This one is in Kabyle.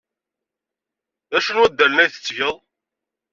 D acu n waddalen ay tettgeḍ?